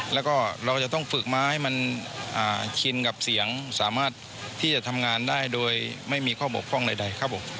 แล้วก็เราจะต้องฝึกมาให้มันชินกับเสียงสามารถที่จะทำงานได้โดยไม่มีข้อบกพร่องใดครับผม